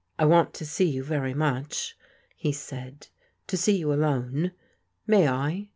" I want to see you very much," he said, " to see you alone. May I